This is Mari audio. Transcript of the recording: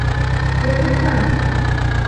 Кӧ кышка?